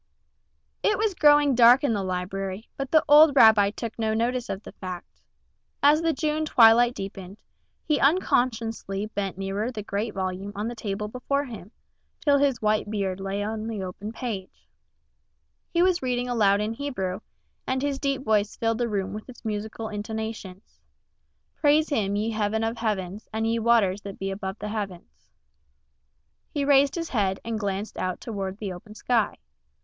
IT was growing dark in the library, but the old rabbi took no notice of the fact. As the June twilight deepened, he unconsciously bent nearer the great volume on the table before him, till his white beard lay on the open page. He was reading aloud in Hebrew, and his deep voice filled the room with its musical intonations: "Praise Him, ye heavens of heavens, and ye waters that be above the heavens." He raised his head and glanced out toward the western sky.